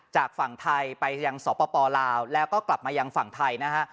จากฝั่งไทยไปยังสปลาวแล้วก็กลับมายังฝั่งไทยนะฮะ